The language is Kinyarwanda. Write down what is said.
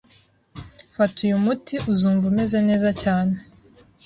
Fata uyu muti, uzumva umeze neza cyane. .